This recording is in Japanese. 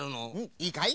いいかい？